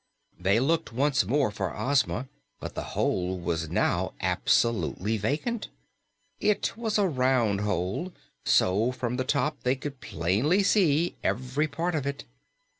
They looked once more for Ozma, but the hole was now absolutely vacant. It was a round hole, so from the top they could plainly see every part of it.